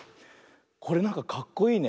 これなんかかっこいいね。